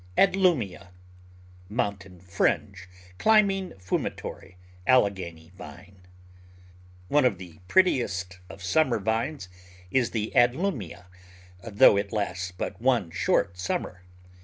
13S Digitized by Google Adlumia (Mountain Fringe, Climbing Fumitory, Alleghany Vine) ONE of the prettiest of summer vines is the Adlu mia, though it lasts but one short summer.